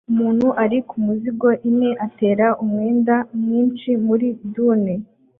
Umuntu ari kumuziga ine atera umwanda mwinshi muri dune